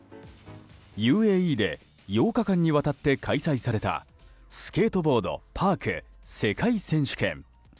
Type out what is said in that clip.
ＵＡＥで８日間にわたって開催されたスケートボード・パーク世界選手権。